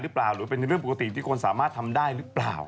หรือเป็นเรื่องปกติที่คนสามารถทำได้หรือเปล่า